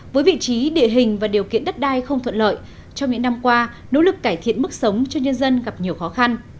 với vị trí địa hình và điều kiện đất đai không thuận lợi trong những năm qua nỗ lực cải thiện mức sống cho nhân dân gặp nhiều khó khăn